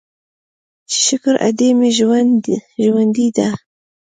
چې شکر ادې مې ژوندۍ ده.